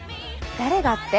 誰がって？